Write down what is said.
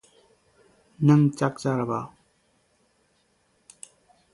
Born near Boone, North Carolina, Blackburn attended common schools and became a lawyer.